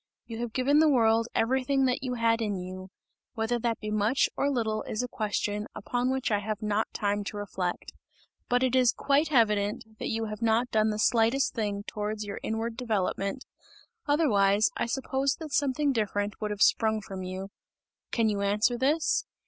You have given the world everything that you had in you; whether that be much or little is a question, upon which I have not time to reflect. But it is quite evident, that you have not done the slightest thing towards your inward developement; otherwise I suppose that something different would have sprung from you. Can you answer this?